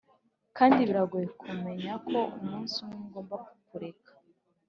kandi biragoye kumenya ko umunsi umwe ngomba kukureka.